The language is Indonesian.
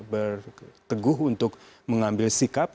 berkata kata untuk mengambil sikap